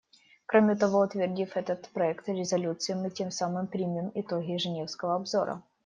Кроме того, утвердив этот проект резолюции, мы тем самым примем итоги женевского обзора.